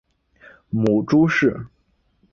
母朱氏。